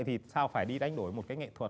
thì sao phải đi đánh đổi một cái nghệ thuật